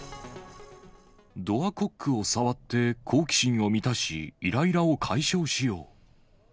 ドアコックを触って、好奇心を満たし、いらいらを解消しよう。